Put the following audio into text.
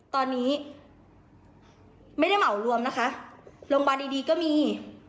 ตอนนี้ไม่ได้เหมารวมนะคะโรงพยาบาลดีก็มี